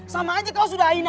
sama aja kau sudah hina